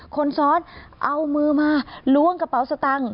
คนซ้อนเอามือมาล้วงกระเป๋าสตังค์